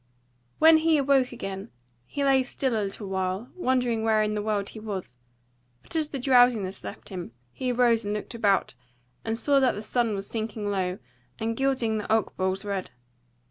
When he awoke again he lay still a little while, wondering where in the world he was, but as the drowsiness left him, he arose and looked about, and saw that the sun was sinking low and gilding the oakboles red.